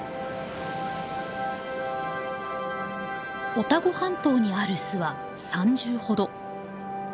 オタゴ半島にある巣は３０ほど。